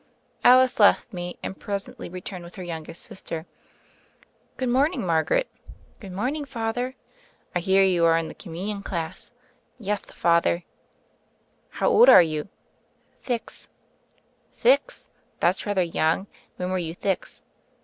Alice left me and presently returned with her youngest sister. "Good morning, Margaret." "Good morning. Father." "I hear you are in the Communion dass." "Yeth, Father." "How old are you ?" "Thix." "Thix. That's rather young. When were you thix?"